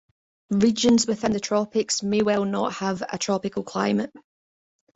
Regions within the tropics may well not have a tropical climate.